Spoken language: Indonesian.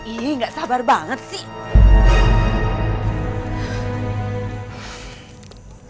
ih gak sabar banget sih